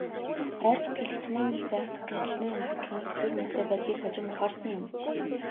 Хайр сэтгэл хэчнээн их байх тусам төчнөөн эмзэгхэн, тэсвэр муутай байдгийг хожим ухаарсан юм.